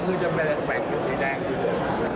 ก็คือจะแบ่งอยู่สีแดงอยู่เลย